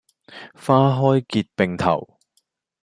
花開結並頭